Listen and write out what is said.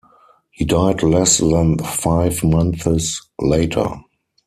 He died less than five months later.